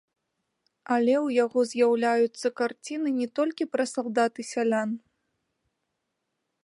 Але ў яго з'яўляюцца карціны не толькі пра салдат і сялян.